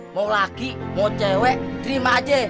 mau lagi mau cewek terima aja